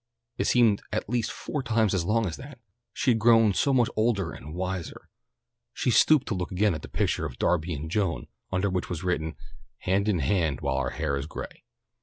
It seemed at least four times as long as that. She had grown so much older and wiser. She stooped to look again at the picture of Darby and Joan, under which was written, "Hand in hand while our hair is gray."